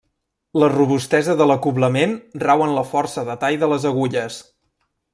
La robustesa de l'acoblament rau en la força de tall de les agulles.